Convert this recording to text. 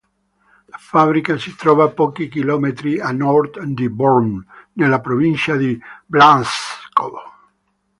La fabbrica si trova pochi chilometri a nord di Brno, nella provincia di Blansko.